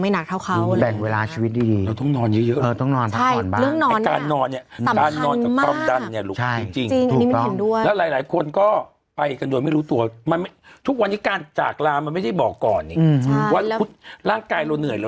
ว่าร่างกายเราเหนื่อยแล้วนะ